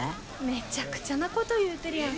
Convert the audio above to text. めちゃくちゃなこと言うてるやん。